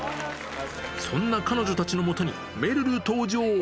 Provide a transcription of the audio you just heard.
そんな彼女たちのもとに、めるる登場。